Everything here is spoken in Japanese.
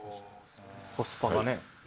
コスパがね。